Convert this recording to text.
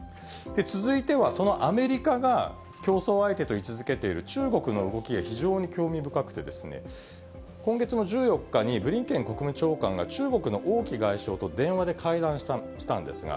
続いては、そのアメリカが競争相手と位置づけている中国の動きが非常に興味深くて、今月の１４日に、ブリンケン国務長官が中国の王毅外相と電話で会談したんですが、